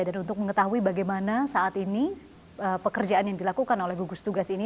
dan untuk mengetahui bagaimana saat ini pekerjaan yang dilakukan oleh gugus tugas ini